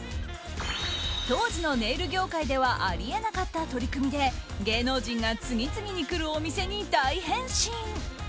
当時のネイル業界ではあり得なかった取り組みで芸能人が次々に来るお店に大変身。